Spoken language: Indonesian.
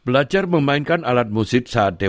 belajar memainkan alat musik saat dewasa